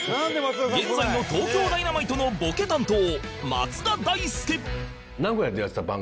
現在の東京ダイナマイトのボケ担当松田大輔